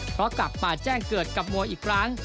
เพราะกลับมาแจ้งเกิดกับมวยอีกครั้ง